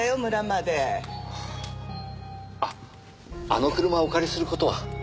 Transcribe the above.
あの車をお借りする事は？